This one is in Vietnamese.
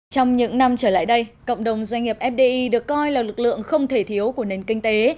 trong những năm trở lại đây cộng đồng doanh nghiệp fdi được coi là lực lượng không thể thiếu của nền kinh tế